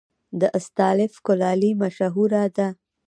د استالف کلالي مشهوره ده